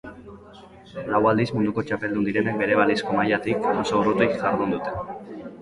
Lau aldiz munduko txapeldun direnek bere balizko mailatik oso urruti jardun dute.